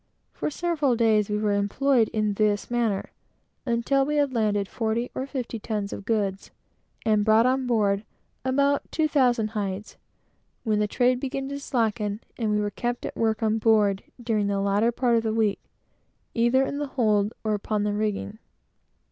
For several days, we were employed in this manner, until we had landed forty or fifty tons of goods, and brought on board about two thousand hides; when the trade began to slacken, and we were kept at work, on board, during the latter part of the week, either in the hold or upon the rigging.